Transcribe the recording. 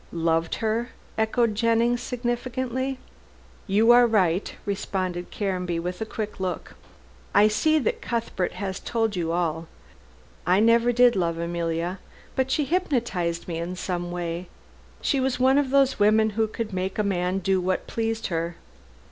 "Loved her?" echoed Jennings, significantly. "You are right," responded Caranby with a keen look. "I see Cuthbert has told you all. I never did love Emilia. But she hypnotized me in some way. She was one of those women who could make a man do what pleased her.